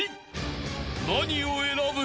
［何を選ぶ？］